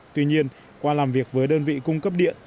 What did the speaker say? tuy nhiên qua làm việc với đơn vị cung cấp điện